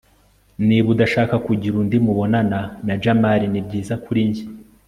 niba udashaka kugira undi mubonano na jamali, nibyiza kuri njye